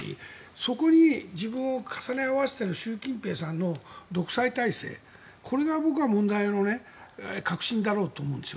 そこに自分を重ね合わせている習近平さんの独裁体制、これが僕は問題の核心だろうと思うんです。